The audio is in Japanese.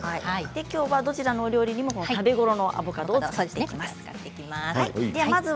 きょうはどちらのお料理にも食べ頃のアボカドを使います。